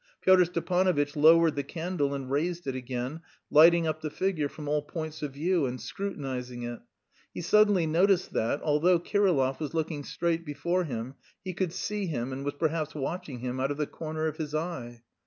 Pyotr Stepanovitch lowered the candle and raised it again, lighting up the figure from all points of view and scrutinising it. He suddenly noticed that, although Kirillov was looking straight before him, he could see him and was perhaps watching him out of the corner of his eye.